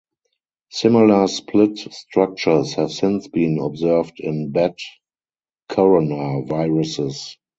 Similar split structures have since been observed in bat coronaviruses.